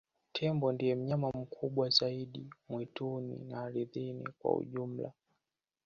tembo ndiye mnyama mkubwa zaidi mwituni na ardini kwa ujumla